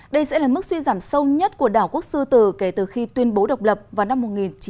đây sẽ là mức suy giảm sâu nhất của đảo quốc sư tử kể từ khi tuyên bố độc lập vào năm một nghìn chín trăm bảy mươi